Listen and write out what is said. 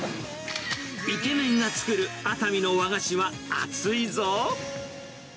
イケメンが作る熱海の和菓子は熱いぞ。